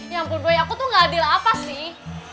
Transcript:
ya ampun boy aku tuh gak adil apa sih